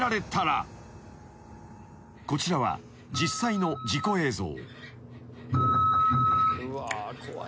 ［こちらは実際の事故映像］